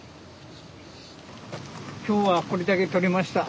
・今日はこれだけとれました。